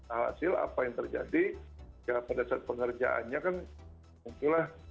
alhasil apa yang terjadi ya pada saat pengerjaannya kan muncullah